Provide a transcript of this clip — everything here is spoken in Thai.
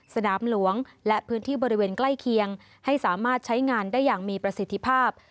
สนามหลวงและพื้นที่บริเวณใกล้เคียงให้สามารถใช้งานได้อย่างมีประสิทธิภาพ